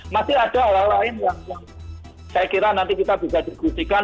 masih ada hal lain yang saya kira nanti kita bisa diskusikan